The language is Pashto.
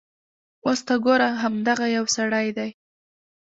اوس ته ګوره همدغه یو سړی دی.